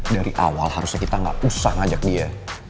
dari awal harusnya kita gak usah ngajak dia